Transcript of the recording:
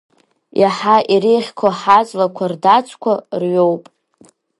Иаҳа иреиӷьқәоу ҳаҵлақәа рдацқәа рҩоуп.